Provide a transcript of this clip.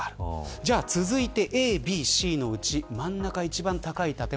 じゃあ続いてＡ、Ｂ、Ｃのうち真ん中一番高い建物。